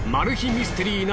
ミステリー